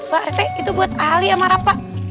pak rese itu buat ahli sama rapa